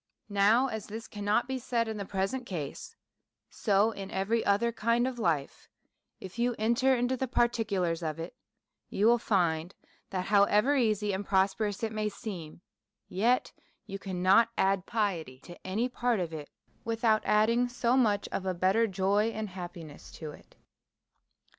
Now, as this cannot be said in the present case, so in every other kind of life ; if you enter into the par ticulars of it, you will find that, however easy and prosperous it may seem, yet you cannot add piety to any part of it, without adding so much of a better joy and happiness to it.